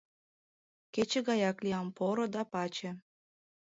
Кече гаяк лиям поро да паче.